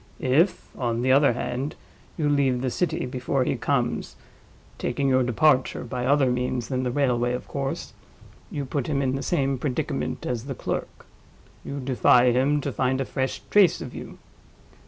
If, on the other hand, you leave the city before he comes (taking your departure by other means than the railway, of course) you put him in the same predicament as the clerk—you defy him to find a fresh trace of you.